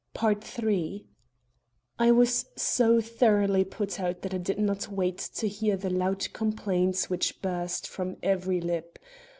_"I was so thoroughly put out that I did not wait to hear the loud complaints which burst from every lip.